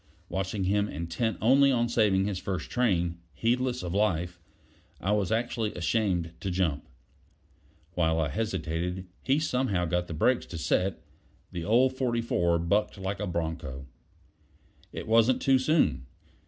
Watching him intent only on saving his first train heedless of his life I was actually ashamed to jump. While I hesitated he somehow got the brakes to set; the old 44 bucked like a bronco. It wasn't too soon.